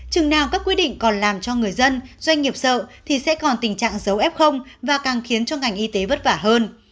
chừng nào các quy định còn làm cho người dân doanh nghiệp sợ thì sẽ còn tình trạng dấu f và càng khiến cho ngành y tế vất vả hơn